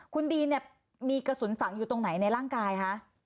คุณดีนเนี่ยมีกระสุนฝังอยู่ตรงไหนในร่างกายคะ